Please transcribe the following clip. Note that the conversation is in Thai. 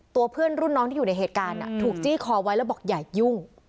ตัวเพื่อนรุ่นน้องที่อยู่ในเหตุการณ์ถูกจี้คอไว้แล้วบอกอย่ายุ่ง